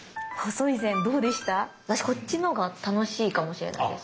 私こっちのほうが楽しいかもしれないです。